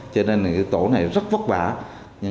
cho nên tổ này rất vất vả